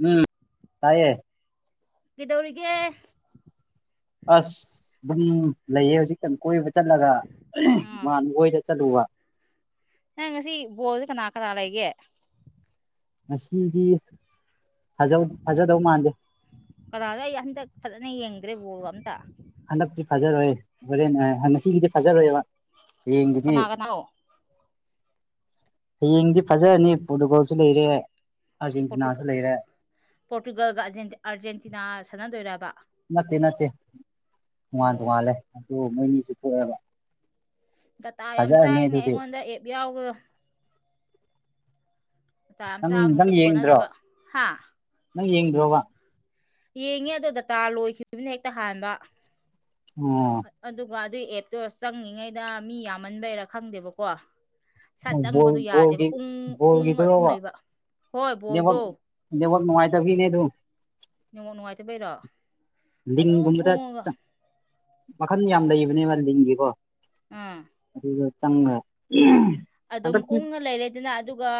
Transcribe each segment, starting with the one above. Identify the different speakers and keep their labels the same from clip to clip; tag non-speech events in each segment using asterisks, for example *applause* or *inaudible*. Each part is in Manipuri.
Speaker 1: ꯎꯝ ꯇꯥꯏꯌꯦ
Speaker 2: ꯒꯤꯗꯧꯒ
Speaker 1: ꯑꯁ ꯑꯗꯨꯝ ꯂꯩꯌꯦ ꯍꯧꯖꯤꯛꯀ ꯀꯣꯏꯕ ꯆꯠꯂꯒ
Speaker 2: ꯎꯝ
Speaker 1: ꯃꯥꯅꯒꯣꯏꯗ ꯆꯠꯂꯨꯕ
Speaker 2: ꯅꯪ ꯉꯁꯤ ꯕꯣꯜꯗꯤ ꯀꯅꯥ ꯀꯅꯥ ꯂꯩꯒꯦ
Speaker 1: ꯉꯁꯤꯗꯤ ꯐꯖꯧ ꯐꯖꯗꯧ ꯃꯥꯟꯗꯦ
Speaker 2: ꯀꯅꯥꯅꯣ ꯑꯩ ꯍꯟꯗꯛ ꯐꯖꯅ ꯌꯦꯡꯗ꯭ꯔꯦ ꯕꯣꯜꯒ ꯑꯝꯇ
Speaker 1: ꯍꯟꯗꯛꯇꯤ ꯐꯖꯔꯣꯏꯦ ꯍꯣꯔꯦꯟ ꯉꯁꯤꯒꯤꯗꯤ ꯐꯖꯔꯣꯏꯕ ꯍꯌꯦꯡꯒꯤꯗꯤ
Speaker 2: ꯀꯅꯥ ꯀꯅꯥꯅꯣ
Speaker 1: ꯍꯌꯦꯡꯗꯤ ꯐꯖꯔꯅꯤ ꯐꯣꯔꯇꯨꯒꯣꯜꯁꯨ ꯂꯩꯔꯦ
Speaker 2: ꯄꯣꯔꯇꯨꯒꯜ
Speaker 1: ꯑꯥꯔꯖꯦꯟꯇꯤꯅꯥꯁꯨ ꯂꯩꯔꯦ
Speaker 2: ꯄꯣꯔꯇꯨꯒꯜꯒ ꯑꯥꯔꯖꯦꯟꯇꯤꯅꯥ ꯁꯥꯟꯅꯗꯣꯏꯔꯕ
Speaker 1: ꯅꯠꯇꯦ ꯅꯠꯇꯦ ꯇꯣꯉꯥꯟ
Speaker 2: ꯑꯣ
Speaker 1: ꯇꯣꯉꯥꯜꯂꯦ ꯑꯗꯨ ꯃꯣꯏꯅꯤꯁꯨ ꯄꯣꯛꯑꯦꯕ
Speaker 2: ꯗꯇꯥ ꯌꯥꯝ ꯆꯥꯏꯅꯦ
Speaker 1: ꯑꯗꯨꯗꯤ
Speaker 2: ꯑꯩꯉꯣꯟꯗ ꯑꯦꯞ ꯌꯥꯎꯕꯣ ꯥ ꯑꯝ
Speaker 1: ꯅꯪ
Speaker 2: ꯆꯥ ꯑꯃ
Speaker 1: ꯅꯪ
Speaker 2: ꯍꯦꯛꯇ
Speaker 1: ꯌꯦꯡꯗ꯭ꯔꯣ
Speaker 2: ꯀꯣꯟꯅꯗꯕ ꯍꯥ
Speaker 1: ꯅꯪ ꯌꯦꯡꯗ꯭ꯔꯣꯕ
Speaker 2: ꯌꯦꯡꯉꯦ ꯑꯗꯣ ꯗꯇꯥ ꯂꯣꯏꯈꯤꯕꯅ ꯍꯦꯛꯇ ꯍꯥꯟꯕ
Speaker 1: ꯎꯝ
Speaker 2: ꯑꯗꯨꯒ ꯑꯗꯨꯏ ꯑꯦꯞꯇꯣ ꯆꯪꯉꯉꯩꯗ ꯃꯤ ꯌꯥꯝꯃꯟꯕꯩꯔꯥ ꯈꯪꯗꯦꯕꯀꯣ ꯁꯠ
Speaker 1: ꯕꯣꯜ
Speaker 2: ꯆꯪꯕꯗꯣ ꯌꯥꯗꯦꯕ
Speaker 1: ꯕꯣꯜꯒꯤ
Speaker 2: ꯎꯪ ꯎꯪ ꯑꯗꯨꯝ
Speaker 1: ꯕꯣꯜꯒꯤꯗꯨꯔꯣꯕ
Speaker 2: ꯂꯩꯕ ꯍꯣꯏ ꯕꯣꯗꯣ
Speaker 1: ꯑꯐ ꯅꯨꯡꯉꯥꯏꯇꯕꯤꯅꯦ ꯑꯗꯨꯝ
Speaker 2: ꯅꯅꯤꯉꯣ ꯅꯨꯡꯉꯥꯏꯇꯕꯩꯔꯣ ꯑꯗꯨꯝ
Speaker 1: ꯂꯤꯡꯒꯨꯝꯕꯗ
Speaker 2: ꯎꯪꯉꯒ
Speaker 1: ꯃꯈꯜ ꯌꯥꯝ ꯂꯩꯕꯅꯦꯕ ꯂꯤꯡꯒꯤꯀꯣ
Speaker 2: ꯎꯝ
Speaker 1: ꯑꯗꯨꯒꯗ ꯆꯪꯉꯦ
Speaker 2: ꯑꯗꯨꯝ ꯎꯅ ꯂꯩꯔꯦꯗꯅ ꯑꯗꯨꯒ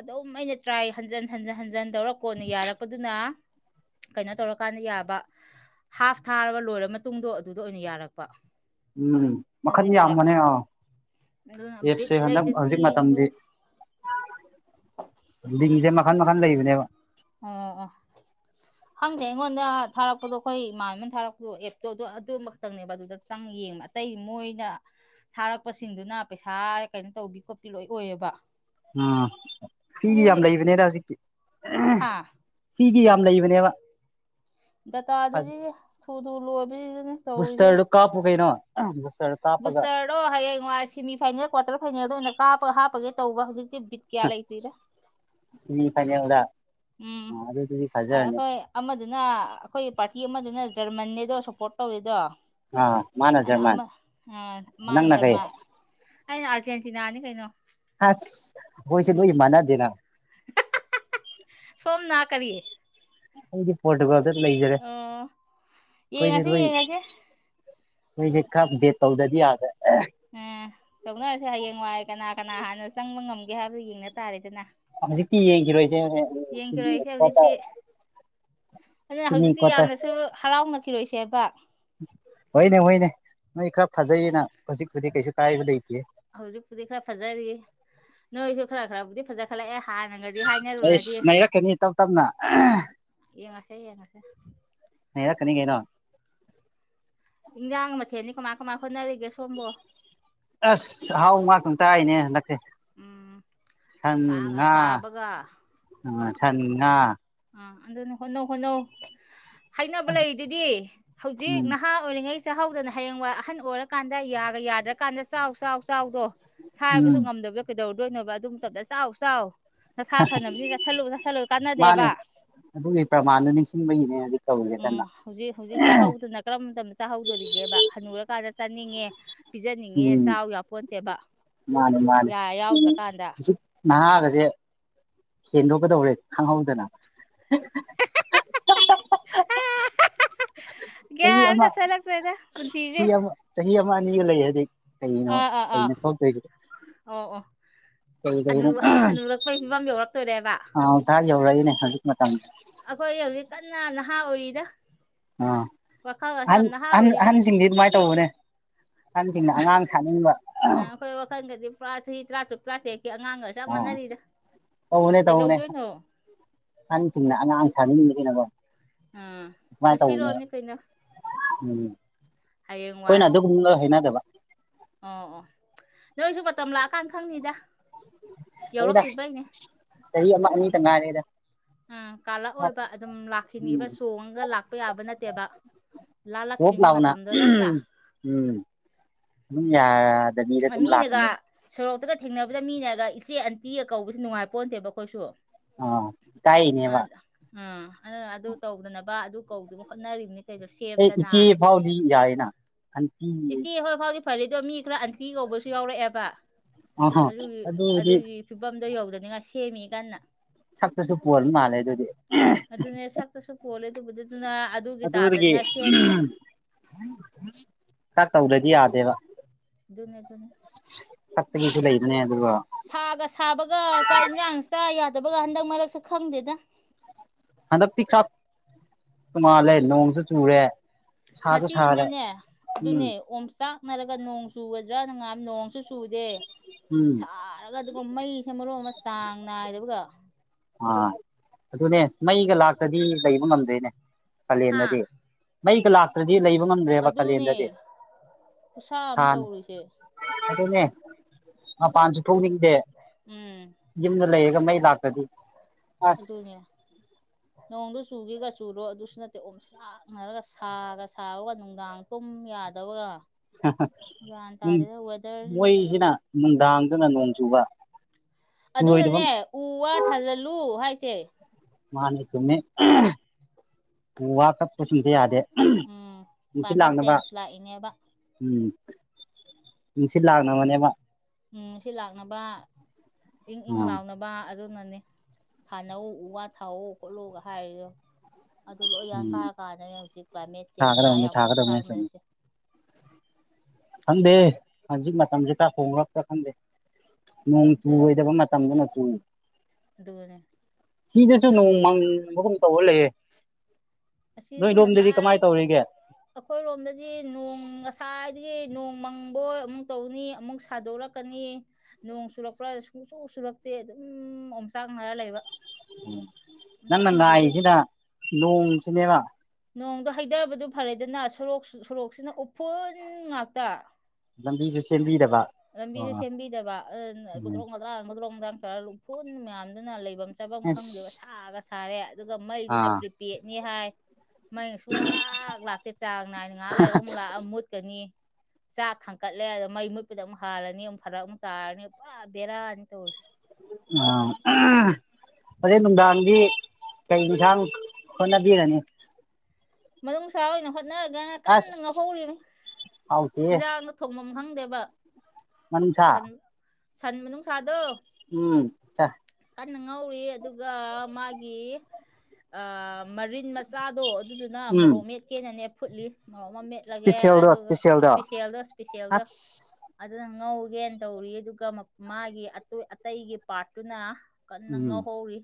Speaker 2: ꯑꯗꯨꯝ ꯑꯩꯅ ꯇ꯭ꯔꯥꯏ ꯍꯟꯖꯟ ꯍꯟꯖꯤꯟ ꯍꯟꯖꯤꯟ ꯇꯧꯔꯛꯀꯣꯅ ꯌꯥꯔꯛꯄꯗꯨꯅ ꯀꯩꯅꯣ ꯇꯧꯔꯀꯥꯟꯗ ꯌꯥꯕ ꯍꯥꯐ ꯊꯥꯔꯒ ꯂꯣꯏꯔ ꯃꯇꯨꯡꯗꯣ ꯑꯗꯨꯗ ꯑꯣꯏꯅ ꯌꯥꯔꯛꯄ
Speaker 1: ꯎꯝ ꯃꯈꯜ
Speaker 2: ꯑꯗꯨꯗꯤ ꯐꯔꯛ
Speaker 1: ꯌꯥꯝꯕꯅꯦ ꯑꯥꯎ
Speaker 2: ꯑꯗꯨꯅ ꯕꯤꯠ
Speaker 1: ꯑꯦꯞꯁꯦ ꯍꯟꯗꯛ
Speaker 2: ꯂꯩꯇꯗꯅ
Speaker 1: ꯍꯧꯖꯤꯛ
Speaker 2: ꯌꯦꯡꯗ꯭ꯔꯦ
Speaker 1: ꯃꯇꯝꯗꯤ ꯡꯁꯦ ꯃꯈꯟ ꯃꯈꯟ ꯂꯩꯕꯅꯦꯕ
Speaker 2: ꯑ ꯑ ꯍꯪꯗꯦ ꯑꯩꯉꯣꯟꯗ ꯊꯥꯔꯛꯄꯗꯣ ꯑꯩꯈꯣꯏ ꯏꯃꯥꯟꯅ ꯊꯥꯔꯛꯄꯗꯣ ꯑꯦꯞꯇꯣ ꯑꯗꯨꯗꯣ ꯑꯗꯨ ꯑꯃꯈꯛꯇꯪꯅꯦꯕ ꯑꯗꯨꯗ ꯆꯪ ꯌꯦꯡꯕ ꯑꯇꯩ ꯃꯣꯏꯅ ꯊꯥꯔꯛꯄꯁꯤꯡꯗꯨꯅ ꯄꯩꯁꯥ ꯀꯩꯅꯣ ꯇꯧꯕꯤ ꯈꯣꯠꯄꯤ ꯂꯣꯏ ꯑꯣꯏꯌꯦꯕ
Speaker 1: ꯎꯝ ꯐꯤꯒꯤ
Speaker 2: ꯑꯗꯨꯒꯤ
Speaker 1: ꯌꯥꯝ ꯂꯩꯕꯅꯦꯅ ꯍꯧꯖꯤꯛꯇꯤ
Speaker 2: ꯍꯥ
Speaker 1: ꯐꯤꯒꯤ ꯌꯥꯝ ꯂꯩꯕꯅꯦꯕ
Speaker 2: ꯗꯇꯥꯗꯨꯗꯤ ꯊꯨ ꯊꯨ ꯂꯣꯏꯕꯕꯁꯤꯗꯅꯦ ꯇꯧꯔꯨꯁꯦ
Speaker 1: ꯔ ꯇ
Speaker 2: ꯕꯨꯁꯇꯔꯗꯣ ꯍꯌꯦꯡꯥꯏ ꯁꯦꯃꯤꯐꯥꯏꯅꯦꯜ ꯀ꯭ꯋꯥꯇꯔ ꯐꯥꯏꯅꯦꯜꯗ ꯑꯣꯏꯅ ꯀꯥꯞꯄꯒ ꯍꯥꯞꯄꯒꯦ ꯇꯧꯕ ꯍꯧꯖꯤꯛꯇꯤ ꯕꯤꯠ ꯀꯌꯥ ꯂꯩꯇ꯭ꯔꯤꯗ
Speaker 1: ꯃꯤ ꯐꯩꯅꯗ
Speaker 2: ꯎꯝ ꯑꯩꯈꯣꯏ ꯑꯃꯗꯨꯅ ꯑꯩꯈꯣꯏ ꯄꯥꯔꯇꯤ ꯑꯃꯗꯨꯅ ꯖꯔꯃꯟꯅꯦꯗꯣ ꯁꯞꯄꯣꯔꯠ ꯇꯧꯔꯤꯦꯗꯣ
Speaker 1: ꯑꯥ ꯃꯥꯅ
Speaker 2: ꯑꯅ
Speaker 1: ꯖꯔꯃꯟ
Speaker 2: ꯑꯃ ꯃꯥꯅ
Speaker 1: ꯅꯪꯅ ꯀꯩ
Speaker 2: ꯆꯔꯃ ꯑꯩꯅ ꯑꯥꯔꯖꯦꯟꯇꯤꯅꯥꯅꯤ ꯀꯩꯅꯣ
Speaker 1: ꯑꯁ ꯍꯣꯏꯁꯦ ꯂꯣꯏ ꯃꯥꯟꯅꯗꯦꯅ
Speaker 2: ꯁꯣꯝꯅꯥ ꯀꯕꯤ
Speaker 1: ꯑꯩꯗꯤ ꯄꯣꯠꯇꯨꯒ ꯑꯝꯇ ꯂꯩꯖꯔꯦ
Speaker 2: ꯑꯣ
Speaker 1: ꯑꯩꯈꯣꯏꯁꯨ
Speaker 2: ꯌꯦꯡꯉꯁꯤ
Speaker 1: ꯂꯣꯏ
Speaker 2: ꯌꯦꯡꯉꯁꯤ
Speaker 1: ꯃꯣꯏꯁꯦ ꯈꯔ ꯗꯦꯠ ꯇꯧꯗꯗꯤ ꯌꯥꯗ꯭ꯔꯦ
Speaker 2: ꯎꯝ ꯇꯧꯅꯔꯁꯦ ꯍꯌꯦꯡꯋꯥꯏ ꯀꯅꯥ ꯀꯅꯥ ꯍꯥꯟꯅ ꯆꯪꯕ ꯉꯝꯒꯦ ꯍꯥꯏꯕꯗꯨꯣ ꯌꯦꯡꯅ ꯇꯥꯔꯦꯗꯅ
Speaker 1: ꯍꯧꯖꯤ ꯇꯤ ꯌꯦꯡꯈꯤꯕꯔꯣꯏꯁꯦ
Speaker 2: ꯌꯦꯡꯈꯤꯔꯛꯏꯁꯦ ꯍꯧꯖꯤꯛꯇꯤ ꯑꯗꯨꯅ
Speaker 1: ꯁꯤꯃꯤ
Speaker 2: ꯍꯧꯖꯤꯛꯇꯤ
Speaker 1: ꯀ꯭ꯋꯥꯇꯔ
Speaker 2: ꯌꯥꯝꯅꯁꯨ ꯍꯔꯥꯎꯅ ꯊꯤꯔꯣꯏꯁꯦꯕꯥꯛ
Speaker 1: ꯍꯣꯏꯅꯦ ꯍꯣꯏꯅꯦ ꯃꯣꯏ ꯈꯔ ꯐꯖꯩꯌꯦꯅ ꯍꯧꯖꯤꯛꯇꯨꯗꯤ ꯀꯩꯁꯨ ꯀꯥꯏꯕ ꯂꯩꯇꯦ
Speaker 2: ꯍꯧꯖꯤꯛꯄꯨꯗꯤ ꯈꯔ ꯐꯖꯔꯤ ꯅꯣꯏꯁꯨ ꯈꯔ ꯈꯔꯕꯨꯗꯤ ꯐꯖ ꯈꯠꯂꯛꯑꯦ ꯍꯥꯟꯅꯒꯗꯤ
Speaker 1: ꯑꯩꯁ
Speaker 2: ꯍꯥꯏꯅꯔꯨꯔꯗꯤ
Speaker 1: ꯅꯩꯔꯛꯀꯅꯤ ꯇꯞ ꯇꯞꯅ
Speaker 2: ꯌꯦꯡꯉꯁꯦ ꯌꯦꯡꯉꯁꯦ
Speaker 1: ꯍꯔꯛꯀꯅꯤ ꯀꯩꯅꯣ
Speaker 2: ꯏꯟꯖꯥꯡ ꯃꯊꯦꯜꯅꯤ ꯀꯃꯥꯏ ꯀꯃꯥꯏ ꯍꯣꯠꯅꯔꯤꯒꯦꯕꯣ
Speaker 1: ꯑꯁ ꯍꯥꯎ ꯉꯥꯛꯇ ꯍꯥꯏꯅꯦ ꯍꯟꯗꯛꯁꯦ
Speaker 2: ꯎꯝ ꯁꯥꯒ
Speaker 1: ꯁꯉ
Speaker 2: ꯁꯥꯕꯒ
Speaker 1: ꯑ ꯁꯉꯥ
Speaker 2: ꯑꯥ ꯑꯗꯨꯅ ꯍꯣꯠꯅꯧ ꯍꯣꯠꯅꯧ ꯍꯥꯏꯅꯕ ꯂꯩꯔꯤ ꯑꯗꯨꯗꯤ ꯍꯧꯖꯤꯛ
Speaker 1: ꯎꯝ
Speaker 2: ꯅꯍꯥꯛ ꯑꯣꯏꯔꯤꯉꯩ ꯆꯥꯛꯍꯧꯗꯅ ꯍꯌꯦꯡꯋꯥꯏ ꯑꯍꯟ ꯑꯣꯏꯔꯀꯥꯟꯗ ꯌꯥ ꯌꯥꯗ꯭ꯔꯀꯥꯟꯗ ꯆꯥꯎ ꯆꯥꯎ ꯆꯥꯎꯗꯣ ꯁꯥꯕꯁꯨ
Speaker 1: ꯎꯝ
Speaker 2: ꯉꯝꯗꯕꯗ ꯀꯩꯗꯧꯔꯗꯣꯏꯅꯣꯕ ꯑꯗꯨ ꯃꯇꯝꯗ ꯆꯥꯎ ꯆꯥꯎ ꯅꯁꯥ ꯐꯅꯕꯅꯤ ꯆꯠꯁꯜꯂꯨ ꯆꯠꯁꯜꯂꯨꯒ
Speaker 1: ꯃꯥꯅꯦ
Speaker 2: ꯀꯥꯟꯅꯗꯦꯕ
Speaker 1: ꯑꯗꯨꯒꯤ ꯄ꯭ꯔꯃꯥꯟꯗꯨꯣ ꯅꯤꯡꯁꯤꯡꯕꯒꯤꯅꯦ ꯍꯧꯖꯤ ꯇꯧꯔꯤꯒꯦ ꯀꯟꯅ
Speaker 2: ꯑꯗꯨꯅ ꯀꯔꯝꯕ ꯃꯇꯝꯗ ꯆꯥꯍꯧꯗꯣꯔꯤꯒꯦꯕ ꯍꯅꯨꯔꯀꯥꯟꯗ ꯆꯥꯅꯤꯡꯉꯦ ꯄꯤꯖꯅꯤꯡꯉꯦ
Speaker 1: ꯎꯝ
Speaker 2: ꯆꯥꯎ ꯌꯥꯄꯣꯟꯣꯟꯇꯦꯕ ꯌꯥ ꯌꯥꯎꯗ꯭ꯔꯀꯥꯟꯗ
Speaker 1: ꯅꯍꯒꯁꯦ ꯍꯦꯟꯗꯣꯛꯀꯗꯧꯔꯦ ꯈꯪꯍꯧꯗꯅ ꯆꯍꯤ ꯑꯃ
Speaker 2: ꯌꯥꯗ ꯁꯂꯛꯄꯤꯗ
Speaker 1: ꯁꯤ ꯑꯃ ꯆꯍꯤ ꯑꯃ ꯑꯅꯤꯁꯨ ꯂꯩ ꯍꯥꯏꯗꯤ ꯀꯩꯅꯣ
Speaker 2: ꯑꯥ ꯑꯥ ꯑꯥ
Speaker 1: ꯀꯩꯅꯣ ꯊꯣꯛꯇꯣꯏꯁꯤ
Speaker 2: ꯑꯣ ꯑꯣ ꯑꯅꯨ
Speaker 1: ꯀꯩꯅꯣ
Speaker 2: ꯍꯅꯨꯔꯛꯄꯒꯤ ꯐꯤꯕꯝ ꯌꯧꯔꯛꯇꯣꯏꯔꯦꯕ
Speaker 1: ꯆꯥ ꯌꯧꯔꯛꯏꯅꯦ ꯍꯧꯖꯤꯛ ꯃꯇꯝꯗ
Speaker 2: ꯑꯩꯈꯣꯏ ꯍꯧꯖꯤꯛ ꯀꯟꯅ ꯅꯍꯥ ꯑꯣꯏꯔꯤꯗ
Speaker 1: ꯑꯥ
Speaker 2: ꯋꯥꯈꯜꯒꯁꯦ
Speaker 1: ꯑꯍꯟ
Speaker 2: ꯌꯥꯝ ꯅꯍꯥ
Speaker 1: ꯑ
Speaker 2: ꯑꯣꯏꯔꯤꯗ
Speaker 1: ꯑꯍꯟꯁꯤꯡꯗꯤ ꯑꯗꯨꯃꯥꯏꯅ ꯇꯧꯕꯅꯦ ꯑꯍꯟꯁꯤꯡꯅ ꯑꯉꯥꯡ ꯁꯥꯅꯤꯡꯕ
Speaker 2: ꯑ ꯑꯩꯈꯣꯏ ꯋꯥꯈꯜꯗꯗꯤ ꯄꯨꯔꯥ ꯆꯍꯤ ꯇꯔꯥ ꯆꯨꯛ ꯇꯔꯥꯇꯔꯦꯠꯀꯤ ꯑꯉꯥꯡꯅꯤ
Speaker 1: ꯑ ꯇꯎꯅꯦ ꯇ ꯍꯅꯦ ꯍꯁꯤꯡꯅ ꯑꯉꯥꯡ ꯊꯅꯅꯤꯡꯕꯗꯅꯀꯣ
Speaker 2: ꯑ ꯄꯨ ꯁꯤꯔꯛꯅꯤ ꯀꯩꯅꯣ
Speaker 1: ꯎꯝ ꯑꯩꯈꯣꯏꯅ
Speaker 2: ꯍꯌꯦꯡꯋꯥꯏ
Speaker 1: ꯑꯗꯨꯒꯨꯝꯒ ꯍꯩꯅꯗꯕ
Speaker 2: ꯑꯣ ꯑꯣ ꯅꯣꯏꯁꯨ ꯃꯇꯝ ꯂꯥꯛꯑꯀꯥꯟ ꯈꯪꯅꯤꯗ
Speaker 1: ꯑꯩꯗꯥꯛ
Speaker 2: ꯌꯧꯔꯛꯇ꯭ꯔꯤꯕꯩꯅꯦ
Speaker 1: ꯆꯍꯤ ꯑꯃ ꯑꯅꯤꯇ ꯅꯥꯔꯦꯗ
Speaker 2: ꯎꯝ ꯀꯥꯜꯂꯛꯑꯣꯕ ꯑꯗꯨꯝ ꯂꯥꯛꯈꯤꯅꯤꯕ
Speaker 1: ꯎꯝ
Speaker 2: ꯆꯣꯡꯉꯒ ꯂꯥꯛꯄ ꯌꯥꯕ ꯅꯠꯇꯦꯕ ꯂꯥ
Speaker 1: ꯄꯣꯞ
Speaker 2: ꯂꯛꯅꯤꯒꯤ ꯃ
Speaker 1: ꯂꯥꯎꯅ
Speaker 2: ꯃꯇꯝꯗꯣ ꯆꯠꯇ꯭ꯔꯥ
Speaker 1: ꯎꯝ ꯎꯝ ꯌꯥ
Speaker 2: ꯃꯤꯅꯒ ꯁꯣꯔꯣꯛꯇꯒ ꯊꯦꯡꯅꯕꯗ ꯃꯤꯅꯒ ꯏꯆꯦ ꯑꯟꯇꯤꯒ ꯀꯧꯕꯁꯨ ꯅꯨꯡꯉꯥꯏ ꯄꯣꯛꯟꯗꯦꯕ ꯑꯩꯈꯣꯏꯁꯨ
Speaker 1: ꯑꯥ
Speaker 2: ꯑ
Speaker 1: ꯏꯀꯥꯏꯅꯦꯕ
Speaker 2: ꯑꯗꯨ ꯑꯗꯨ ꯇꯧꯗꯅꯕ ꯑꯗꯨ ꯀꯧꯗꯨꯅ ꯍꯣꯠꯅꯔꯤꯕꯅꯤ ꯀꯩꯗꯣ
Speaker 1: ꯑꯩ
Speaker 2: ꯁꯦꯝꯗꯅ
Speaker 1: ꯏꯆꯦ ꯐꯥꯎꯗꯤ ꯌꯥꯏꯅ ꯑꯟꯇꯤ
Speaker 2: ꯏꯆꯦ ꯍꯣꯏ ꯐꯥꯎꯗꯤ ꯐꯔꯦꯗꯣ ꯃꯤ ꯈꯔ ꯑꯟꯇꯤ ꯀꯧꯕꯁꯨ ꯌꯥꯎꯔꯛꯑꯦꯕ
Speaker 1: ꯑꯍ
Speaker 2: ꯑꯗꯨꯒꯤ
Speaker 1: ꯑꯗꯨꯗꯤ
Speaker 2: ꯑꯗꯨꯒꯤ ꯁꯨꯐꯝꯝꯗꯣ ꯌꯧꯗꯅꯤ ꯉ ꯁꯦꯝꯃꯤ ꯀꯟꯅ
Speaker 1: ꯁꯛꯇꯁꯨ ꯄꯨꯕ ꯃꯥꯜꯂꯦ ꯑꯗꯨꯗꯤ
Speaker 2: ꯑꯗꯨꯅꯦ ꯁꯛꯇꯁꯨ ꯄꯣꯜꯂꯦ ꯑꯗꯨꯕꯨꯗꯤ ꯑꯗꯨꯅ ꯑꯗꯨꯒꯤ
Speaker 1: ꯑꯗꯨꯗꯒꯤ
Speaker 2: ꯇꯥꯗꯅꯤꯡꯉꯥꯏ ꯁꯦꯝꯃꯤꯕ
Speaker 1: ꯀ ꯇꯧꯗꯗꯤ ꯌꯥꯗꯦꯕ
Speaker 2: ꯣꯅꯦ ꯣꯅꯦ
Speaker 1: ꯁꯛꯇꯒꯤꯁꯨ ꯂꯩꯕꯅꯦ ꯑꯗꯨꯒ
Speaker 2: ꯁꯥꯒ ꯁꯥꯕꯒ ꯆꯥꯛ ꯌꯦꯟꯁꯥꯡ ꯆꯥ ꯌꯥꯗꯕꯒ ꯍꯟꯗꯛ ꯃꯔꯛꯁꯨ ꯈꯪꯗꯦꯗ
Speaker 1: ꯍꯟꯗꯛꯇꯤ ꯈꯔ ꯀ ꯃꯥꯜꯂꯦ ꯅꯣꯡꯁꯨ ꯆꯨꯔꯦ ꯁꯥꯁꯨ ꯁꯥꯔꯦ
Speaker 2: ꯉꯁꯤꯁꯤꯅꯅꯦ
Speaker 1: ꯎꯝ
Speaker 2: ꯑꯗꯨꯅꯦ ꯑꯣꯝꯆꯥꯛ ꯊꯛꯅꯔꯒ ꯅꯣꯡ ꯆꯨꯒꯗ꯭ꯔꯥ ꯅ ꯉ ꯅꯣꯡꯁꯨ ꯆꯨꯗꯦ
Speaker 1: ꯎꯝ
Speaker 2: ꯌꯥꯔꯒ ꯑꯗꯨꯒ ꯃꯩꯁꯦ ꯃꯔꯨ ꯑꯃ ꯆꯥꯡ ꯅꯥꯏꯗꯕꯒ
Speaker 1: ꯑꯥ ꯑꯗꯨꯅꯦ ꯃꯩꯒ ꯂꯥꯛꯇꯗꯤ ꯂꯩꯕ ꯉꯝꯗꯣꯏꯅꯦ
Speaker 2: ꯍꯥ
Speaker 1: ꯀꯥꯂꯦꯟꯗꯗꯤ ꯃꯩꯒ ꯂꯥꯛꯇ꯭ꯔꯗꯤ ꯂꯩꯕ ꯉꯝꯗ꯭ꯔꯦꯕ ꯀꯥꯂꯦꯟꯗꯗꯤ
Speaker 2: ꯑꯗꯨꯅꯦ ꯈꯨꯠꯁꯥ ꯑꯃ
Speaker 1: ꯁꯥꯅꯤ
Speaker 2: ꯇꯧꯔꯤꯁꯦ
Speaker 1: ꯑꯗꯨꯅꯦ ꯃꯄꯥꯟꯁꯨ ꯊꯣꯛꯣꯡꯅꯤꯡꯗꯦ
Speaker 2: ꯎꯝ
Speaker 1: ꯖꯤꯗꯂ ꯌꯦꯒ ꯃꯩꯜ ꯂꯥꯛꯀꯗꯤ
Speaker 2: ꯑꯗꯨꯅꯦ ꯅꯣꯡꯗꯨ ꯆꯨꯒꯦꯒ ꯆꯨꯔꯣ ꯑꯗꯨꯁꯨ ꯅꯠꯇꯦ ꯑꯣꯝ ꯆꯥꯛꯅꯔꯒ ꯁꯥꯒ ꯁꯥꯥꯎꯕꯒ ꯅꯨꯡꯗꯥꯡ ꯄꯨꯝ ꯌꯥꯗꯕꯒ ꯒ꯭ꯌꯥꯟ ꯇꯥꯗꯦꯗ ꯋꯦꯗꯔꯁꯤꯁꯨ
Speaker 1: ꯃꯣꯏꯁꯤꯅ ꯅꯨꯡꯗꯥꯡꯗꯨꯅ ꯅꯣꯡ ꯆꯨꯕ ꯆꯨꯔꯣꯏꯗꯕ
Speaker 2: ꯑꯗꯨꯗꯅꯦ ꯎ ꯋꯥ ꯊꯥꯖꯤꯜꯂꯨ ꯍꯥꯏꯁꯦ
Speaker 1: ꯃꯥꯅꯦ ꯁꯃꯦ
Speaker 2: *inaudible*
Speaker 1: ꯎ ꯋꯥ ꯀꯛꯄ ꯁꯨꯝꯇ ꯌꯥꯗꯦ
Speaker 2: ꯎꯝ
Speaker 1: ꯅꯨꯡꯁꯤꯠ
Speaker 2: ꯀꯥꯏꯃꯦꯝ
Speaker 1: ꯂꯥꯡꯅꯕ
Speaker 2: ꯇꯦꯟꯁ ꯂꯥꯛꯏꯅꯦꯕ
Speaker 1: ꯎꯝ ꯅꯁꯤ ꯂꯒꯅ ꯃꯅꯦꯕ
Speaker 2: ꯎꯝ ꯁꯤ ꯂꯥꯛꯅꯕ ꯏꯪ ꯏꯪ
Speaker 1: ꯑꯥ
Speaker 2: ꯂꯥꯛꯅꯕ ꯕꯥ ꯑꯗꯨꯅꯅꯦ ꯊꯥꯅꯧ ꯎ ꯋꯥ ꯊꯥꯍꯧ ꯈꯣꯠꯂꯨꯒ ꯍꯥꯏꯔꯤꯗꯣ ꯑꯗꯨ ꯂꯣꯏ
Speaker 1: ꯎꯝ
Speaker 2: ꯌꯥꯡꯈꯥꯔ ꯀꯥꯟꯗꯅꯦ ꯍꯧꯖꯤꯛ ꯀ꯭ꯂꯥꯏꯃꯦꯠ ꯆꯦꯟꯖ ꯂꯥꯛꯑꯒ
Speaker 1: ꯊꯥꯒꯗꯕꯅꯦ
Speaker 2: ꯌꯥꯝ ꯀ
Speaker 1: ꯊꯥꯒꯗꯕꯅꯦ ꯆꯨꯝꯃꯦ
Speaker 2: ꯁꯥꯛꯅꯔꯤꯁꯦ
Speaker 1: ꯈꯪꯗꯦ ꯍꯧꯖꯤꯛ ꯃꯇꯝꯁꯤ ꯀꯥꯍꯣꯡꯛꯇ ꯈꯪꯗꯦ ꯅꯣꯡ ꯆꯨꯔꯣꯏꯗꯕ ꯇꯝꯗꯨꯅꯁꯨ
Speaker 2: ꯑꯗꯨꯒꯅꯦ
Speaker 1: ꯁꯤꯗꯁꯨ ꯅꯣꯡꯃꯪꯕꯒꯨꯝ ꯇꯧꯔ ꯂꯩꯌꯦ
Speaker 2: ꯑꯁꯤꯁꯦ
Speaker 1: ꯅꯣꯏꯔꯣꯝꯗꯗꯤ
Speaker 2: ꯉꯁꯥꯏ
Speaker 1: ꯀꯃꯥꯏꯅ ꯇꯧꯔꯤꯒꯦ
Speaker 2: ꯑꯩꯈꯣꯏꯔꯣꯝꯗꯗꯤ ꯅꯣꯡ ꯉꯁꯥꯏꯗꯒꯤ ꯅꯣꯡ ꯃꯪꯕꯣꯏ ꯑꯃꯨꯛ ꯇꯧꯅꯤ ꯑꯃꯨꯛ ꯁꯥꯗꯣꯔꯛꯀꯅꯤ ꯅꯣꯡ ꯆꯨꯔꯛꯄ꯭ꯔꯥ ꯁꯨꯡꯆꯣꯛ ꯁꯨꯔꯛꯇꯦ ꯑꯗꯨꯝ ꯑꯣꯝꯆꯥꯛꯅꯔ ꯂꯩꯕ
Speaker 1: ꯎꯝ ꯅꯪꯅ
Speaker 2: ꯑꯣꯝꯆꯥꯛꯅ ꯍꯧꯖꯤꯛ
Speaker 1: ꯉꯏꯁꯤꯅ ꯅꯣꯡꯁꯤꯅꯦꯕ
Speaker 2: ꯅꯣꯡꯗꯣ ꯍꯩꯊꯕꯗꯨ ꯐꯔꯦꯗꯅꯣꯔꯣꯛ ꯁꯣꯔꯣꯛꯁꯤꯅ ꯎꯐꯨꯜ ꯉꯥꯛꯇ
Speaker 1: ꯂ ꯂꯝꯕꯤꯁꯤꯦ
Speaker 2: ꯂꯝꯕꯤꯁꯨ
Speaker 1: ꯎꯝ
Speaker 2: ꯁꯦꯝꯕꯤꯗꯕꯇ꯭ꯔ ꯍꯥꯡꯒꯗ꯭ꯔ ꯅꯨꯡꯗꯥꯡ ꯆꯥꯔꯒ ꯎꯐꯨꯟ ꯃꯌꯥꯝꯗꯨꯅ ꯂꯩꯐꯝ ꯆꯥꯐꯝ
Speaker 1: ꯑꯁ
Speaker 2: ꯈꯪꯗꯦꯕ ꯁꯥꯒ ꯊꯥꯔꯦ ꯑꯗꯨꯒ ꯃꯩꯗꯨꯅ
Speaker 1: ꯑꯥ
Speaker 2: ꯄ꯭ꯔꯤꯄꯦꯗꯅꯤ ꯍꯥꯏ ꯃꯩꯅꯁꯨ ꯉꯥꯏꯍꯥꯛ ꯂꯥꯛꯇꯦ ꯆꯥꯡ ꯅꯥꯏꯅ ꯉꯥꯏꯍꯥꯛ ꯂꯩꯔꯒ ꯑꯃꯨꯛ ꯂꯥꯛꯑ ꯃꯨꯠꯀꯅꯤ ꯆꯥꯛ ꯊꯥꯡꯀꯠꯂꯤ ꯂꯩ ꯑꯗ ꯃꯩ ꯃꯨꯠꯄꯗ ꯑꯃꯨꯛ ꯍꯥꯜꯂꯅꯤ ꯑꯃꯨꯛ ꯐꯔꯛ ꯑꯃꯨꯛ ꯇꯥꯔꯅꯤ ꯄꯨꯔꯥ ꯕꯦꯔꯥꯑꯅꯤ ꯇꯧꯔꯁꯤ
Speaker 1: ꯑ ꯍꯣꯔꯦꯟ ꯅꯨꯡꯗꯥꯡꯒꯤ ꯀꯩ ꯏꯟꯁꯥꯡ ꯍꯣꯠꯅꯕꯤꯔꯅꯤ
Speaker 2: ꯃꯅꯨꯡꯁꯥ ꯑꯣꯏꯅ ꯍꯣꯠꯅꯔꯒꯅ ꯀꯟꯅ
Speaker 1: ꯑꯁ
Speaker 2: ꯉꯧꯍꯧꯔꯤꯅꯤ
Speaker 1: ꯍꯥꯎꯇꯦꯍꯦ
Speaker 2: ꯏꯥꯡ ꯊꯣꯡꯐꯝꯝ ꯈꯪꯗꯦꯕ
Speaker 1: ꯃꯅꯨꯡꯁꯥ
Speaker 2: ꯁꯟ ꯁꯟ ꯅꯨꯡꯁꯥꯗꯣ
Speaker 1: ꯎꯝ ꯆꯥ
Speaker 2: ꯀꯟꯅ ꯉꯧꯔꯤ ꯑꯗꯨꯒ ꯃꯥꯒꯤ ꯃꯔꯤꯟ ꯃ ꯃꯆꯥꯗꯣ ꯑꯗꯨꯗꯨꯅ
Speaker 1: ꯎꯝ
Speaker 2: ꯃꯣꯔꯣꯛ ꯃꯦꯠꯀꯦꯅꯅꯦ ꯐꯨꯠꯂꯤ ꯃꯣꯛ ꯑꯃ ꯃꯦꯠꯂꯒꯦ ꯑꯗꯨꯒ ꯏꯁꯄꯤꯁꯦꯜꯗꯣ ꯏꯁꯄꯤꯁꯦꯜꯗꯣ
Speaker 1: ꯑꯁ
Speaker 2: ꯑꯗꯨꯅ ꯉꯧꯒꯦꯅ ꯇꯧꯔꯤ ꯑꯗꯨꯒ ꯃꯥꯒꯤ ꯑꯇꯩꯒꯤ ꯄꯥꯔꯠꯇꯨꯅ ꯀꯟꯅ
Speaker 1: ꯎꯝ
Speaker 2: ꯉꯧꯍꯧꯔꯤ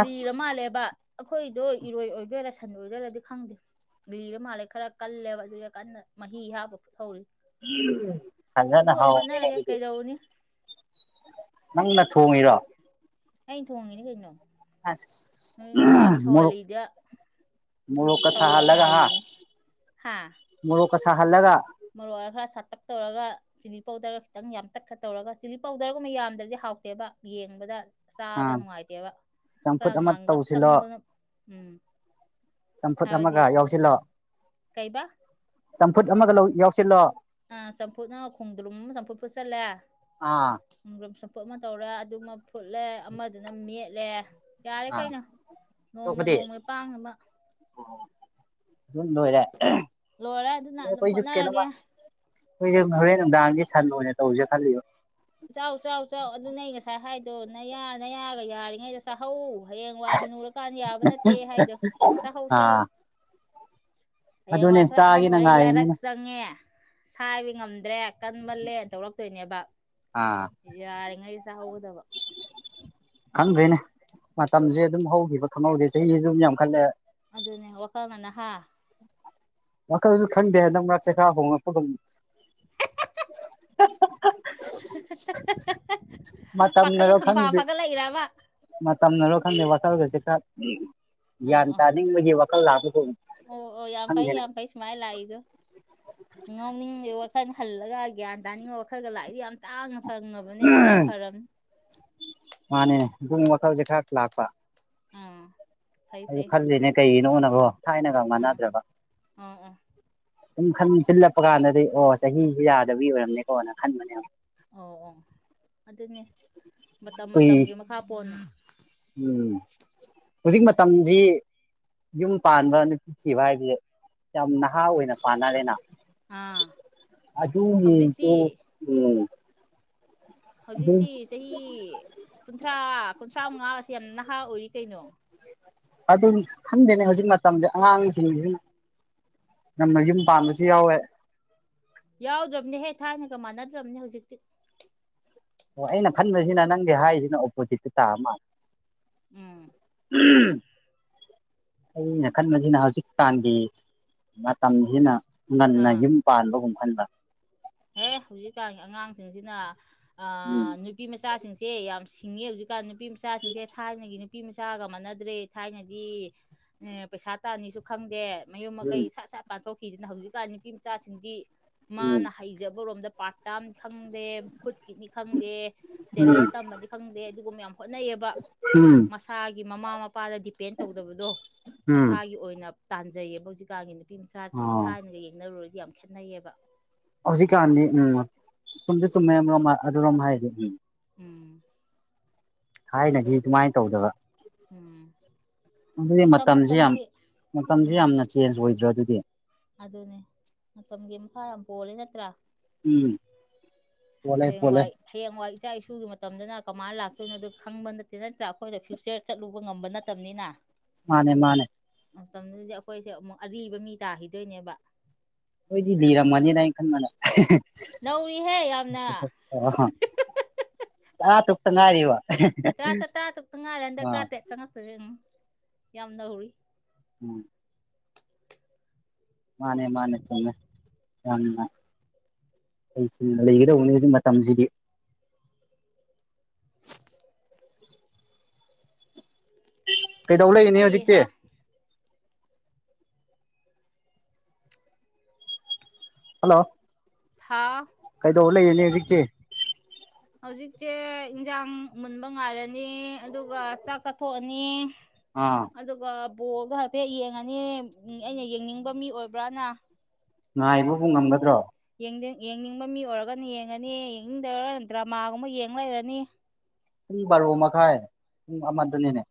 Speaker 1: ꯑꯁ
Speaker 2: ꯂꯤꯔ ꯃꯥꯜꯂꯦꯕ ꯑꯩꯈꯣꯏꯗꯣ ꯏꯔꯣꯏ ꯑꯣꯏꯗꯣꯏꯔꯥ ꯁꯟ ꯑꯣꯏꯗꯣꯏꯔꯗꯤ ꯈꯪꯗꯦ ꯂꯤꯔ ꯃꯥꯜꯂꯦ ꯈꯔ ꯀꯜꯂꯦꯕ ꯑꯗꯨ ꯀꯟꯅ ꯃꯍꯤ ꯍꯥꯞꯄ ꯐꯨꯠꯍꯧꯔꯤ ꯑꯗꯨ
Speaker 1: ꯐꯖꯅ
Speaker 2: ꯑꯣꯏꯅ
Speaker 1: ꯍꯥꯎꯈ꯭ꯔꯦꯅꯦ
Speaker 2: ꯍꯣꯠꯅꯔꯒꯦ
Speaker 1: ꯑꯗꯨꯗꯤ
Speaker 2: ꯀꯩꯗꯧꯔꯨꯅꯤ
Speaker 1: ꯅꯪꯅ ꯊꯣꯡꯉꯤꯔꯣ
Speaker 2: ꯑꯩꯅ ꯊꯣꯡꯉꯤꯅꯤ ꯀꯩꯅꯣ
Speaker 1: ꯑꯁ
Speaker 2: ꯎꯡ ꯏꯟꯖꯥꯡ
Speaker 1: ꯃꯣꯔꯣꯛ
Speaker 2: ꯁꯧꯍꯜꯂꯤꯗ
Speaker 1: ꯃꯣꯔꯣꯛꯀ
Speaker 2: ꯁꯧꯔ
Speaker 1: ꯁꯥꯍꯜꯂꯒ ꯍꯥ
Speaker 2: ꯉꯥꯢꯍꯜꯂꯤꯅꯤ ꯍꯥꯥ
Speaker 1: ꯃꯣꯔꯣꯛꯀ ꯁꯥꯍꯜꯂꯒ
Speaker 2: ꯃꯔꯣꯏ ꯈꯔ ꯁꯇꯛ ꯇꯧꯔꯒ ꯆꯤꯂꯤ ꯄꯥꯎꯗꯔꯒ ꯈꯤꯇꯪ ꯌꯥꯝ ꯇꯠꯈ ꯇꯧꯔꯒ ꯆꯤꯂꯤ ꯄꯥꯎꯗꯔꯒꯨꯝꯕ ꯌꯥꯝꯗ꯭ꯔꯗꯤ ꯍꯥꯎꯇꯦꯕ ꯌꯦꯡꯕꯗ ꯆꯥꯕꯗ
Speaker 1: ꯑꯥ
Speaker 2: ꯅꯨꯡꯉꯥꯏꯇꯦꯕ ꯈꯔ
Speaker 1: ꯆꯝꯐꯨꯠ ꯑꯃ
Speaker 2: ꯉꯥꯡꯂꯞ
Speaker 1: ꯇꯧꯁꯤꯜꯂꯣ
Speaker 2: ꯆꯪꯕꯅ ꯎꯝ
Speaker 1: ꯆꯝꯐꯨꯠ
Speaker 2: ꯍꯥꯏꯕꯗꯤ
Speaker 1: ꯑꯃꯒ ꯌꯥꯎꯁꯤꯜꯂꯣ
Speaker 2: ꯀꯩꯕꯥ
Speaker 1: ꯆꯝꯐꯨꯠ ꯑꯃꯒ ꯌꯥꯎꯁꯤꯜꯂꯣ
Speaker 2: ꯑ ꯆꯝꯐꯨꯠꯅ ꯈꯣꯡꯗ ꯂꯨꯝ ꯆꯝꯐꯨꯠ ꯐ ꯆꯠꯂꯦ
Speaker 1: ꯑꯥ
Speaker 2: ꯈꯣꯡꯗꯔꯨꯝ ꯆꯝꯐꯨꯠ ꯑꯃ ꯇꯧꯔꯦ ꯑꯗꯨꯒꯃ ꯐꯨꯠꯂꯦ ꯑꯃꯗꯨꯅ ꯃꯦꯠꯂꯦ ꯌꯥꯔꯦ
Speaker 1: ꯑꯥ
Speaker 2: ꯀꯩꯅꯣ ꯅꯣꯡꯃ
Speaker 1: ꯑꯇꯣꯞꯄꯗꯤ
Speaker 2: ꯅꯣꯡꯃꯩ ꯄꯥꯡꯅꯕ ꯂꯣꯏꯔꯦ ꯑꯗꯨꯅ ꯑꯗꯨꯝ ꯍꯣꯠꯅꯔꯒꯦ
Speaker 1: *unintelligible* ꯑꯩꯈꯣꯏꯁꯨ ꯍꯣꯔꯦꯟ ꯅꯨꯡꯗꯥꯡꯗꯤ ꯁꯟ ꯑꯣꯏꯅ ꯇꯧꯁꯦ ꯈꯜꯂꯤꯕꯣ
Speaker 2: ꯆꯥꯎ ꯆꯥꯎ ꯆꯥꯎ ꯑꯗꯨ ꯅꯦ ꯑꯩ ꯉꯁꯥꯏ ꯍꯥꯏꯗꯣ ꯅꯌꯥ ꯅꯌꯥꯒ ꯌꯥꯔꯤꯉꯩꯗ ꯆꯥꯍꯧ ꯍꯌꯦꯡ ꯋꯥ ꯍꯟꯅꯨꯔꯀꯥꯟ ꯌꯥꯕ ꯅꯠꯇꯦ ꯍꯥꯏꯗꯣ ꯆꯥꯍꯧ ꯆꯥꯍꯧ
Speaker 1: ꯑꯥ
Speaker 2: ꯍꯌꯦꯡ
Speaker 1: ꯑꯗꯨꯅꯦ
Speaker 2: ꯋꯥꯢ ꯈꯔ ꯑꯍꯟ
Speaker 1: ꯆꯥꯒꯦꯅ
Speaker 2: ꯑꯣꯏꯔ ꯌꯥꯔꯛ
Speaker 1: ꯉꯥꯏꯔꯤꯅꯤꯅꯦ
Speaker 2: ꯆꯪ ꯈꯪꯉꯦ ꯁꯥꯏꯕ ꯉꯝꯗ꯭ꯔꯦ ꯀꯟꯃꯜꯂꯦꯅ ꯇꯧꯔꯛꯇꯣꯏꯅꯦꯕ
Speaker 1: ꯑꯥ
Speaker 2: ꯌꯥꯔꯤꯉꯩ ꯆꯥꯍꯧꯒꯗꯕ
Speaker 1: ꯈꯪꯗ꯭ꯔꯦꯅꯦ ꯃꯇꯝꯁꯦ ꯑꯗꯨꯝ ꯍꯧꯈꯤꯕ ꯈꯪꯍꯧꯗꯦ ꯆꯍꯤꯁꯨ ꯑꯗꯨꯝ ꯌꯥꯝꯈꯠꯂꯦ
Speaker 2: ꯑꯗꯨꯅꯦ ꯋꯥꯈꯜ ꯉꯟꯅ ꯍꯥ
Speaker 1: ꯋꯥꯈꯜꯁꯨ ꯈꯪꯗꯦ ꯍꯟꯗꯛ ꯃꯔꯛꯁꯦ ꯈꯥ ꯍꯣꯡꯉꯛꯄ ꯒꯨꯝ
Speaker 2: *unintelligible* *unintelligible* ꯄꯥꯈꯪ
Speaker 1: ꯃꯇꯝꯅꯔꯣ
Speaker 2: ꯈꯪꯐ
Speaker 1: ꯈꯪꯗꯦ
Speaker 2: ꯐꯒꯠꯂꯛꯏꯔꯕ
Speaker 1: ꯃꯇꯝꯅꯔꯣ ꯈꯪꯗꯦ ꯋꯥꯈꯜꯒꯁꯦ ꯈꯔ
Speaker 2: ꯑꯥ
Speaker 1: ꯒ꯭ꯌꯥꯟ
Speaker 2: ꯑꯥ
Speaker 1: ꯇꯥꯅꯤꯡꯕꯒꯤ ꯋꯥꯈꯜ ꯂꯥꯛꯄꯒꯨꯝ
Speaker 2: ꯑꯣ ꯑꯣ ꯌꯥꯝ ꯐꯩ
Speaker 1: ꯈꯪꯗꯦꯅꯦ
Speaker 2: ꯌꯥꯝ ꯐꯩ ꯁꯨꯃꯥꯏꯅ ꯂꯥꯛꯏꯗꯣ ꯉꯥꯎꯅꯤꯡ ꯋꯥꯈꯜ ꯍꯜꯂꯒ ꯒ꯭ꯌꯥꯟ ꯇꯥꯅꯤꯡꯕ ꯋꯥꯈꯜꯒ ꯂꯥꯛꯏꯗꯤ ꯌꯥꯝ ꯇꯥꯡꯅ ꯐꯪꯉꯕꯅꯦ ꯑꯗꯣ ꯌꯥꯝ ꯐꯔꯕꯅꯤ
Speaker 1: ꯃꯥꯅꯦ ꯑꯗꯨꯨꯡ ꯋꯥꯗꯜꯁꯦ ꯈꯔ ꯂꯥꯛꯄ
Speaker 2: ꯑꯣ
Speaker 1: ꯑꯩꯁꯨ ꯈꯜꯂꯤꯅꯦ ꯀꯩꯒꯤꯅꯣꯅꯕꯣ ꯊꯥꯏꯅꯒ
Speaker 2: ꯑꯥ
Speaker 1: ꯃꯥꯟꯅꯗ꯭ꯔꯦꯕ
Speaker 2: ꯑꯥ ꯑꯥ
Speaker 1: ꯑꯗꯨꯨꯝ ꯈꯟ ꯆꯤꯜꯂꯛꯄ ꯀꯥꯟꯗꯗꯤ ꯑꯣ ꯆꯍꯤꯁꯤ ꯌꯥꯗꯕꯒꯤ ꯑꯣꯏꯔꯝꯅꯤꯀꯣꯅ ꯈꯟꯕꯅꯦꯕ
Speaker 2: ꯑꯣ ꯑꯣ ꯑꯗꯨꯅꯦ ꯃꯇꯝ
Speaker 1: ꯀꯨꯏ
Speaker 2: ꯃꯇꯝꯒꯤ ꯃꯈꯥ ꯄꯣꯟꯅ
Speaker 1: ꯎꯝ ꯍꯨꯖꯤꯛ ꯃꯇꯝꯗꯤ ꯌꯨꯝ ꯄꯥꯟꯕ ꯅꯨꯄꯤ ꯊꯤꯕ ꯍꯥꯏꯕꯁꯦ ꯌꯥꯝ ꯅꯍꯥ ꯑꯣꯏꯅ ꯄꯥꯅꯔꯦꯅ
Speaker 2: ꯑꯥ
Speaker 1: ꯑꯗꯨꯒꯤꯗꯨ
Speaker 2: ꯍꯧꯖꯤꯛꯇꯤ
Speaker 1: ꯎꯝ ꯑꯗꯨ
Speaker 2: ꯍꯧꯖꯤꯛꯇꯤ ꯆꯍꯤ ꯀꯨꯟꯊ꯭ꯔꯥ ꯀꯨꯟꯊ꯭ꯔꯥ ꯃꯉꯥ ꯑꯁꯤ ꯌꯥꯝ ꯅꯍꯥ ꯑꯣꯏꯔꯤ ꯀꯩꯅꯣ
Speaker 1: ꯑꯗꯨꯝ ꯈꯟꯗꯦꯅꯦ ꯍꯧꯖꯤꯛ ꯃꯇꯝꯗꯤ ꯑꯉꯥꯡꯁꯤꯡꯁꯤ ꯉꯟꯅ ꯌꯨꯝ ꯄꯥꯟꯕꯁꯨ ꯌꯥꯎꯋꯦ
Speaker 2: ꯌꯥꯎꯗ꯭ꯔꯝꯅꯦ ꯍꯦ ꯊꯥꯏꯅꯒ ꯃꯥꯟꯅꯗ꯭ꯔꯝꯅꯦ ꯍꯧꯖꯤꯛꯇꯤ
Speaker 1: ꯑꯣ ꯑꯩꯅ ꯈꯟꯕꯁꯤꯅ ꯅꯪꯒꯤ ꯍꯥꯏꯔꯤꯁꯤꯅ ꯑꯣꯄꯣꯖꯤꯠꯇ ꯇꯥꯕ ꯃꯥꯜ
Speaker 2: ꯎꯝ
Speaker 1: ꯎꯝ ꯑꯩꯅ ꯈꯟꯕꯁꯤꯅ ꯍꯧꯖꯤꯛ ꯀꯥꯟꯒꯤ ꯃꯇꯝꯁꯤꯅ ꯉꯟꯅ
Speaker 2: ꯑꯥ
Speaker 1: ꯌꯨꯝ ꯄꯥꯟꯕꯒꯨꯝ ꯈꯟꯕ
Speaker 2: ꯍꯦ ꯍꯧꯖꯤꯛꯀꯥꯟꯒꯤ ꯑꯉꯥꯡꯁꯤꯡꯁꯤꯅ ꯑꯥ
Speaker 1: ꯎꯝ
Speaker 2: ꯅꯨ ꯅꯨꯄꯤ ꯃꯆꯥꯁꯤꯡꯁꯦ ꯌꯥꯝ ꯁꯤꯡꯉꯦ ꯍꯧꯖꯤꯛꯀꯥꯟ ꯅꯨꯄꯤ ꯃꯆꯥꯁꯤꯡꯁꯦ ꯊꯥꯏꯅꯒꯤ ꯅꯨꯄꯤ ꯅꯨꯄꯤ ꯃꯆꯥꯒ ꯃꯥꯟꯅꯗ꯭ꯔꯦ ꯊꯥꯏꯅꯗꯤ ꯄꯩꯁꯥ ꯇꯥꯅꯤꯁꯨ ꯈꯪꯗꯦ ꯃꯌꯨꯝ ꯃꯀꯩ
Speaker 1: ꯎꯝ
Speaker 2: ꯁꯥꯠ ꯁꯠ ꯄꯥꯟꯊꯣꯛꯈꯤꯗꯅ ꯍꯧꯖꯤꯛꯀꯥꯟ ꯅꯨꯄꯤ ꯃꯆꯥꯁꯤꯡꯗꯤ ꯃꯥꯅ ꯍꯩꯖꯕꯔꯣꯝꯗ ꯄꯥꯔꯠ ꯇꯥꯝ ꯈꯪꯗꯦ ꯈꯨꯠꯀꯤꯅꯤ ꯈꯪꯗꯦ
Speaker 1: ꯎꯝ
Speaker 2: ꯇꯦꯂꯔ ꯇꯝꯃꯗꯤ ꯈꯪꯗꯦ ꯑꯗꯨꯒꯨꯝꯕ ꯌꯥꯝ ꯍꯣꯠꯅꯩꯌꯦꯕ
Speaker 1: ꯎꯝ ꯎꯝ
Speaker 2: ꯃꯁꯥꯒꯤ ꯃꯃꯥ ꯃꯄꯥꯗ ꯗꯤꯄꯦꯟ ꯇꯧꯗꯕꯗꯣ
Speaker 1: ꯎꯝ
Speaker 2: ꯃꯁꯥꯒꯤ ꯑꯣꯏꯅ ꯇꯥꯟꯖꯩꯌꯦꯕ ꯍꯧꯖꯤꯛꯀꯥꯟꯒꯤ ꯅꯨꯄꯤ ꯃꯆꯥꯁꯤꯡꯁꯤ
Speaker 1: ꯑꯣ
Speaker 2: ꯊꯥꯏꯅꯒ ꯌꯦꯡꯅꯔꯨꯔꯗꯤ ꯌꯥꯝ ꯈꯦꯠꯅꯩꯌꯦꯕ
Speaker 1: ꯍꯧꯖꯤꯛꯀꯥꯟꯗꯤ ꯎꯝ ꯁꯨꯝꯗꯤ ꯆꯨꯝꯃꯦ ꯑꯔꯣꯝ ꯑꯗꯨꯔꯣꯝ ꯍꯥꯏꯗꯤ ꯎꯝ
Speaker 2: ꯎꯝ
Speaker 1: ꯊꯥꯏꯅꯗꯤ ꯑꯗꯨꯃꯥꯏꯅ ꯇꯧꯗꯕ
Speaker 2: ꯎꯝ
Speaker 1: ꯑꯗꯨꯗꯤ
Speaker 2: ꯃꯇꯝ
Speaker 1: ꯃꯇꯝꯁꯦ ꯌꯥꯝ
Speaker 2: ꯃꯇꯝꯒꯤ
Speaker 1: ꯃꯇꯝꯁꯦ ꯌꯥꯝꯅ ꯆꯦꯟꯖ ꯑꯣꯏꯗ꯭ꯔꯣ ꯑꯗꯨꯗꯤ
Speaker 2: ꯑꯗꯨꯅꯦ ꯃꯇꯝꯒꯤ ꯃꯈꯥ ꯌꯥꯝ ꯄꯣꯜꯂꯤ ꯅꯠꯇ꯭ꯔꯥ
Speaker 1: ꯎꯝ ꯄꯣꯜꯂꯦ ꯄꯣꯜꯂꯦ
Speaker 2: ꯍꯌꯦꯡꯋꯥꯏ ꯍꯌꯦꯡꯋꯥꯏ ꯏꯆꯥ ꯏꯁꯨꯒꯤ ꯃꯇꯝꯗꯅ ꯀꯃꯥꯏꯅ ꯂꯥꯛꯇꯣꯏꯅꯣꯗꯨ ꯈꯪꯕ ꯅꯠꯇꯦ ꯅꯠꯇ꯭ꯔ ꯑꯩꯈꯣꯏꯗ ꯐ꯭ꯌꯨꯆꯔ ꯆꯠꯂꯨꯕ ꯉꯝꯕ ꯅꯠꯇꯕꯅꯤꯅ
Speaker 1: ꯃꯥꯅꯦ ꯃꯥꯅꯦ
Speaker 2: ꯃꯇꯝꯗꯨꯗꯤ ꯑꯩꯈꯣꯏꯁꯦ ꯑꯃꯨꯛ ꯑꯔꯤꯕ ꯃꯤ ꯇꯥꯈꯤꯗꯣꯏꯅꯦꯕ
Speaker 1: ꯑꯩꯈꯣꯏꯗꯤ ꯂꯤꯔꯝꯃꯅꯤꯅ ꯑꯩꯅ ꯈꯟꯕꯗ
Speaker 2: ꯅꯧꯔꯤꯍꯦ ꯌꯥꯝꯅ
Speaker 1: ꯑꯣ ꯇꯔꯥ ꯇꯔꯨꯛ ꯇꯥ ꯉꯥꯏꯔꯤꯕ
Speaker 2: ꯇꯔꯥ ꯆꯠ ꯇꯔꯥꯇꯨꯛꯇꯪ ꯉꯥꯏꯔꯤ ꯍꯟꯗꯛ
Speaker 1: ꯑꯥ
Speaker 2: ꯇꯔꯥ ꯇꯔꯦꯠ ꯆꯪꯉꯛꯇꯣꯏꯔꯦ ꯌꯥꯝ ꯅꯧꯔꯤ
Speaker 1: *unintelligible* ꯃꯥꯅꯦ ꯃꯥꯅꯦ ꯆꯨꯝꯃꯦ ꯌꯥꯝꯅ ꯍꯩꯁꯤꯡꯅ ꯂꯩꯒꯗꯧꯕꯅꯦ ꯍꯧꯖꯤꯛ ꯃꯇꯝꯁꯤꯗꯤ ꯀꯩꯗꯧ ꯂꯩꯅꯦ ꯍꯧꯖꯤꯛꯇꯤ
Speaker 2: ꯍꯩꯍꯥ
Speaker 1: ꯍꯜꯂꯣ
Speaker 2: ꯍꯥꯎ
Speaker 1: ꯀꯩꯗꯧ ꯂꯩꯌꯦꯅꯦ ꯍꯧꯖꯤꯛꯇꯤ
Speaker 2: *unintelligible* ꯍꯧꯖꯤꯛꯁꯦ ꯏꯟꯁꯥꯡ ꯃꯨꯟꯕ ꯉꯥꯏꯔꯅꯤ ꯑꯗꯨꯒ ꯆꯥꯛ ꯆꯥꯊꯣꯛꯑꯅꯤ
Speaker 1: ꯑꯥ
Speaker 2: ꯑꯗꯨꯒ ꯕꯣꯜꯗꯣ ꯍꯥꯏꯐꯦꯠ ꯌꯦꯡꯉꯅꯤ ꯑꯩꯅ ꯌꯦꯡꯅꯤꯡꯕ ꯃꯤ ꯑꯣꯏꯕ꯭ꯔꯥꯅ
Speaker 1: ꯉꯥꯏꯕꯕꯨ ꯉꯝꯒꯗ꯭ꯔꯣ
Speaker 2: ꯌꯦꯡꯗ ꯌꯦꯡꯅꯤꯡꯕ ꯃꯤ ꯑꯣꯏꯔꯒꯅ ꯌꯦꯡꯉꯅꯤ ꯌꯦꯡꯅꯤꯡꯗꯔꯒ ꯗ꯭ꯔꯃꯥꯒꯨꯝꯕ ꯌꯦꯡ ꯂꯩꯔꯅꯤ
Speaker 1: ꯄꯨꯡ ꯕꯥꯔꯣ ꯃꯈꯥꯏ ꯄꯨꯡ ꯑꯃꯗꯅꯤꯅꯦ